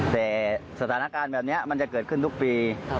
แต่สถานการณ์แบบนี้มันจะเกิดขึ้นทุกปี